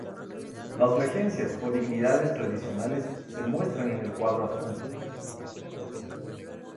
Las regencias o dignidades tradicionales se muestran en el cuadro adjunto.